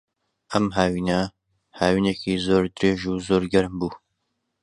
ئەم هاوینە، هاوینێکی زۆر درێژ و زۆر گەرم بوو.